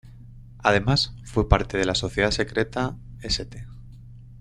Además, fue parte de la sociedad secreta St.